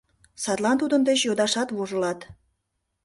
Садлан тудын деч йодашат вожылат...